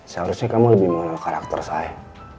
seharusnya kamu lebih mengenal karakter saya